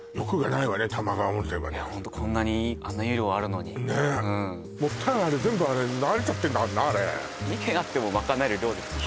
玉川温泉はねいやホントにこんなにあんな湯量あるのにうんねえもったいないあれ全部あれ流れちゃってんだからなあれ２軒あってもまかなえる量ですよね